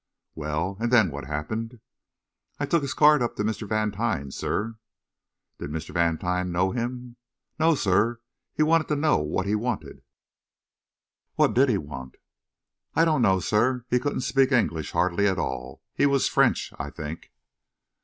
"Well, and then what happened?" "I took his card up to Mr. Vantine, sir." "Did Mr. Vantine know him?" "No, sir; he wanted to know what he wanted." "What did he want?" "I don't know, sir; he couldn't speak English hardly at all he was French, I think."